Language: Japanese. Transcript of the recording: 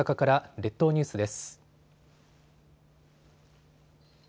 列島ニュースです。